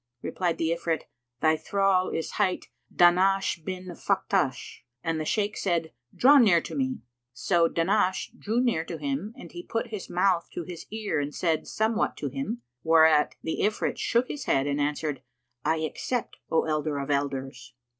Replied the Ifrit, "Thy thrall is hight Dahnash bin Faktash." And the Shaykh said "Draw near to me!" So Dahnash drew near to him and he put his mouth to his ear and said somewhat to him, whereat the Ifrit shook his head and answered, "I accept, O elder of elders!"